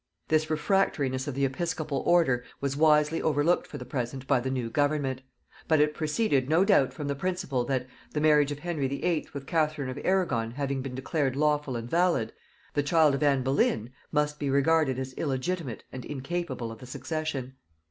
This refractoriness of the episcopal order was wisely overlooked for the present by the new government; but it proceeded no doubt from the principle, that, the marriage of Henry VIII. with Catherine of Arragon having been declared lawful and valid, the child of Anne Boleyn must be regarded as illegitimate and incapable of the succession.